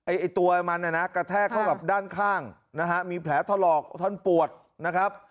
ไอ้ตัวมันน่ะนะกระแทกเข้ากับด้านข้างนะฮะมีแผลถลอกท่อนปวดนะครับ